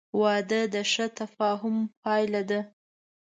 • واده د ښه تفاهم پایله ده.